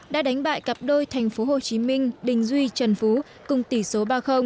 đã đánh bại cặp đôi tp hcm đình duy trần phú cùng tỷ số ba